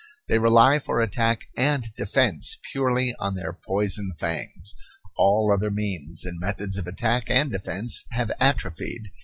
They rely for attack and defence purely on their poison fangs. All other means and methods of attack and defence have atrophied.